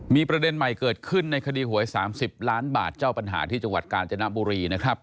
มีประเด็นใหม่เกิดขึ้นในคดีหวย๓๐ล้านบาทเจ้าปัญหาที่จังหวัดกาญจนบุรีนะครับ